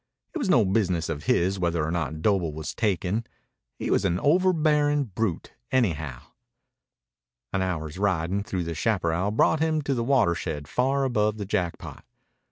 It was no business of his whether or not Doble was taken. He was an overbearing brute, anyhow. An hour's riding through the chaparral brought him to the watershed far above the Jackpot.